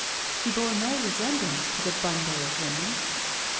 She bore no resemblance to the bundle of women.